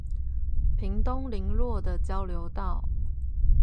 屏東麟洛的交流道